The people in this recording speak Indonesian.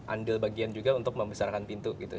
andil bagian juga untuk membesarkan pintu gitu